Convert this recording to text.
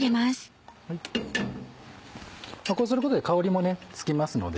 こうすることで香りもつきますので。